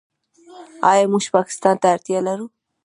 آیا موږ پاکستان ته اړتیا لرو؟